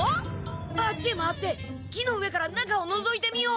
あっちへ回って木の上から中をのぞいてみよう！